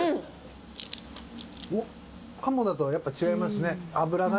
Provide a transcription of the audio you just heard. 鴨だとやっぱ違いますね。